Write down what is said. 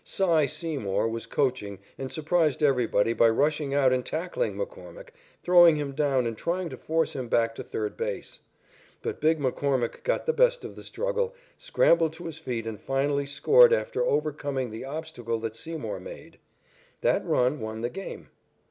"Cy" Seymour was coaching and surprised everybody by rushing out and tackling McCormick, throwing him down and trying to force him back to third base. But big McCormick got the best of the struggle, scrambled to his feet, and finally scored after overcoming the obstacle that Seymour made. That run won the game.